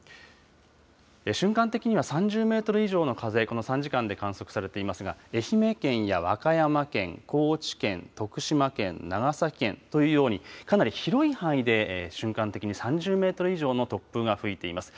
瞬間的には３０メートル以上の風、この３時間で観測されていますが、愛媛県や和歌山県、高知県、徳島県、長崎県というように、かなり広い範囲で、瞬間的に３０メートル以上の突風が吹いています。